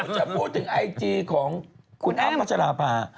จะพูดถึงไอจีของคุณอ้ำพัชราภา